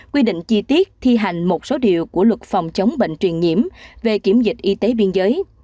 quy định chi tiết thi hành một số điều của luật phòng chống bệnh truyền nhiễm về kiểm dịch y tế biên giới